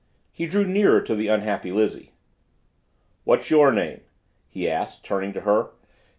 He drew nearer to the unhappy Lizzie. "What's your name?" he asked, turning to her.